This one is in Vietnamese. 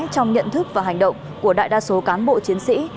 trong nhận thức và hành động của đại đa số cán bộ chiến sĩ